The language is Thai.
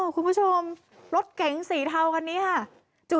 คุณผู้ชมรถเก๋งสีเทาคันนี้ค่ะ